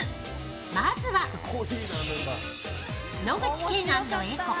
まずは、野口健＆絵子。